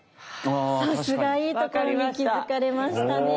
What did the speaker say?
さすがいいところに気付かれましたね。